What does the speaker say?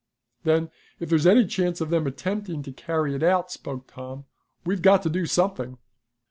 "Then if there's any chance of them attempting to carry it out," spoke Tom, "we've got to do something."